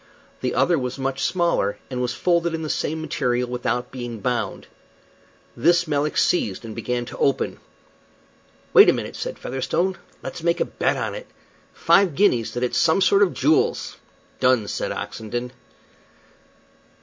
The other was much smaller, and, was folded in the same material without being bound. This Melick seized and began to open. "Wait a minute," said Featherstone. "Let's make a bet on it. Five guineas that it's some sort of jewels!" "Done," said Oxenden.